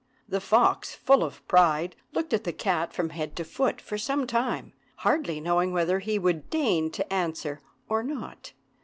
The fox, full of pride, looked at the cat from head to foot for some time, hardly knowing whether he would deign to answer or not.